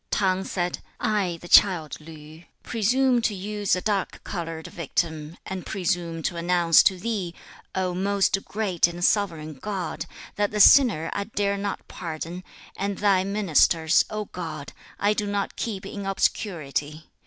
3. T'ang said, 'I the child Li, presume to use a dark coloured victim, and presume to announce to Thee, O most great and sovereign God, that the sinner I dare not pardon, and thy ministers, O God, I do not keep in obscurity.